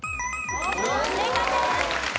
正解です。